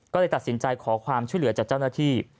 ก็เลยตัดสินใจขอความช่วยเหลือจากเจ้าหน้าที่